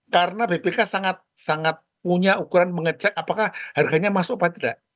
karena bpk sangat punya ukuran mengecek apakah harganya masuk apa tidak